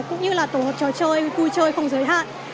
cũng như là tổ hợp trò chơi vui chơi không giới hạn